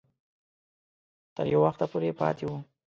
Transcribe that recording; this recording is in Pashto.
تر یو وخته پورې پاته وو.